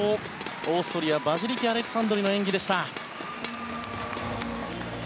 オーストリアヴァジリキ・アレクサンドリの演技でした。